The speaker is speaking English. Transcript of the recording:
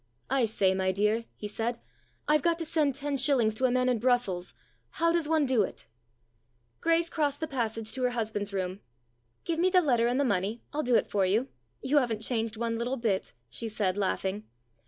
" I say, my dear," he said. " I've got to send ten shillings to a man in Brussels. How does one do it ?" Grace crossed the passage to her husband's room. "Give me the letter and the money, I'll do it for you. You haven't changed one little bit," she said, laughing.